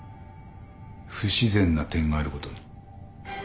不自然な点があることに。